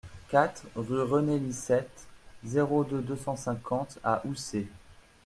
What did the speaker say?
quatre rue René Licette, zéro deux, deux cent cinquante à Housset